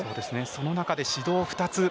その中で指導２つ。